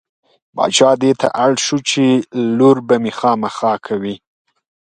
باچا دې ته اړ شو چې لور به مې خامخا کوې.